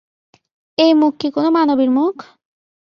এই মুখ কি কোনো মানবীর মুখ?